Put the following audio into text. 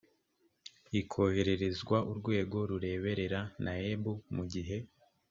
ikohererezwa urwego rureberera naeb mu gihe